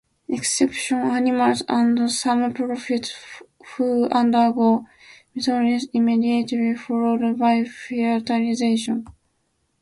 Exceptions are animals and some protists, who undergo "meiosis" immediately followed by fertilization.